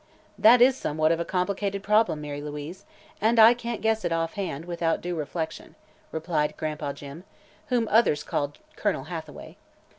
"That is somewhat of a complicated problem, Mary Louise, and I can't guess it offhand, without due reflection," replied "Gran'pa Jim," whom others called Colonel Hathaway.